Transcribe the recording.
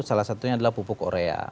salah satunya adalah pupuk korea